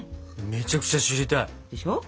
めちゃくちゃ知りたい。でしょ？